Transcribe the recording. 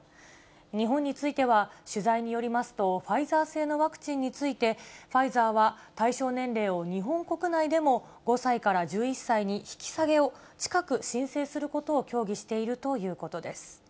日本については、取材によりますとファイザー製のワクチンについて、ファイザーは対象年齢を日本国内でも５歳から１１歳に引き下げを近く申請することを協議しているということです。